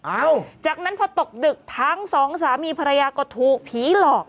จากนั้นพอตกดึกทั้งสองสามีภรรยาก็ถูกผีหลอก